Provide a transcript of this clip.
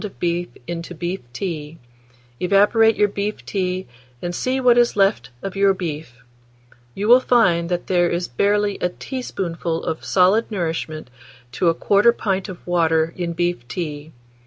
of beef into beef tea; evaporate your beef tea, and see what is left of your beef: you will find that there is barely a teaspoonful of solid nourishment to 1/4 pint of water in beef tea.